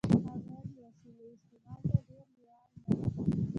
هغه د وسيلې استعمال ته ډېر لېوال نه و.